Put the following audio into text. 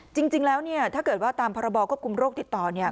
จริงแล้วเนี่ยถ้าเกิดว่าตามพรบควบคุมโรคติดต่อเนี่ย